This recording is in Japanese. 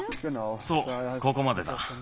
そうここまでだ。